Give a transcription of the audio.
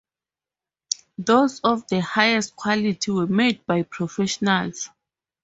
Those of the highest quality were made by professionals.